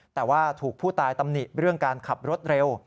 แต่ว่าถูกผู้ตายตำหนิเรื่องการขับรถเร็ว